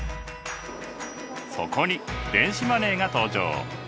そこに電子マネーが登場。